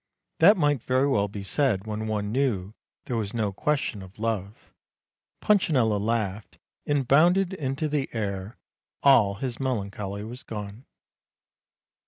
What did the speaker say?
That might very well be said when one knew there was no ques tion of love. Punchinello laughed, and bounded into the air, all his melancholy was gone.